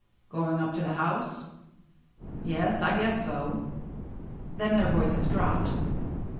" Going up to the house ?"" Yes, I guess so." Then their voices dropped.